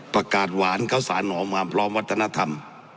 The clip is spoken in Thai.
ประกาศหวานเค้าสานอ๋อมอำพร้อมวัฒนธรรม